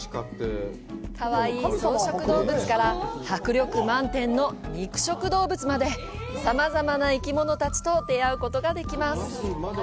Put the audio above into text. かわいい草食動物から、迫力満点の肉食動物まで、さまざまな生き物たちと出会うことができます。